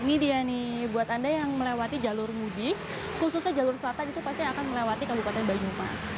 ini dia nih buat anda yang melewati jalur mudik khususnya jalur selatan itu pasti akan melewati kabupaten banyumas